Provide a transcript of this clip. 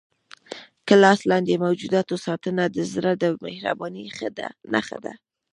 د لاس لاندې موجوداتو ساتنه د زړه د مهربانۍ نښه ده.